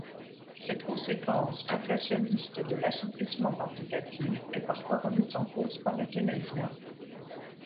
Cette conséquence inflationniste de l'assouplissement quantitatif est parfois remise en cause par les keynésiens.